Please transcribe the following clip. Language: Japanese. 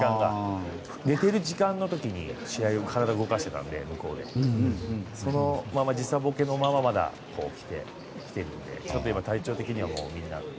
寝ている時間の時に試合で体を動かしていたのでそのまま時差ボケのまま来ているので体調的には。